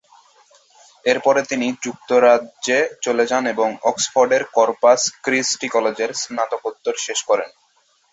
এরপরে তিনি যুক্তরাজ্যে চলে যান এবং অক্সফোর্ডের কর্পাস ক্রিস্টি কলেজের স্নাতকোত্তর শেষ করেন।